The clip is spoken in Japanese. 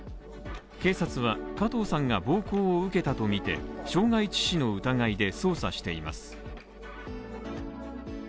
警察は加藤さんが暴行を受けたとみて、傷害致死の疑いで捜査しています。